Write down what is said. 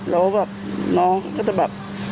แล้วแบบน้องก็จะแบบ